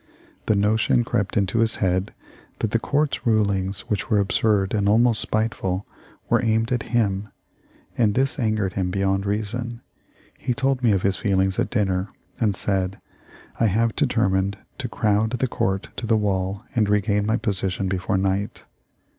The notion crept into his head that the Court's rulings, which were absurd and almost spiteful, were aimed at him, and this angered him beyond reason. He told me of his feelings at dinner, and said: "I have determined to crowd the Court to the wall and re gain my position before night."